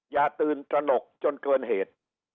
อย่าตื่นตระหนกจนเกินเหตุ